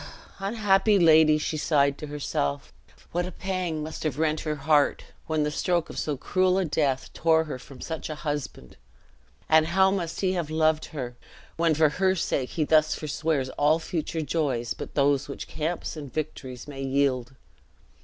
"Unhappy lady!" she sighed to herself; "what a pang must have rent her heart, when the stroke of so cruel a death tore her from such a husband! and how must he have loved her, when for her sake he thus forswears all future joys but those which camps and victories may yield!